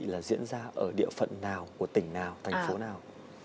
là diễn ra ở địa phận nào của tỉnh nào thành phố nào